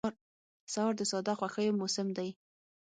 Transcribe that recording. سهار د ساده خوښیو موسم دی.